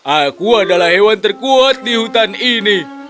aku adalah hewan terkuat di hutan ini